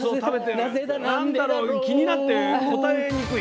「なんだろう」が気になって答えにくい。